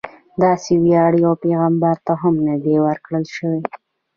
داسې ویاړ یو پیغمبر ته هم نه دی ورکړل شوی.